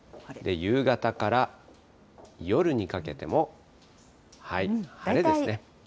夕方から夜にかけても晴れですね。